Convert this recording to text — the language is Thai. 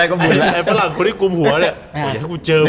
เดี๋ยวนี้ฟาหลังเขาเก่ง